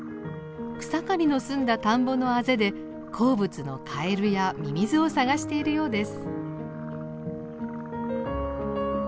草刈りの済んだ田んぼの畦で好物のカエルやミミズを探しているようです。